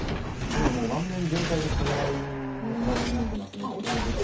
今もう盤面全体で攻め合いの形になってますね。